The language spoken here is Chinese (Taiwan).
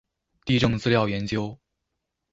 地政資料研究